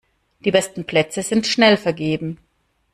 Die besten Plätze sind schnell vergeben.